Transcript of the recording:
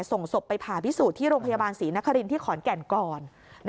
ส่งศพไปผ่าพิสูจน์ที่โรงพยาบาลศรีนครินที่ขอนแก่นก่อน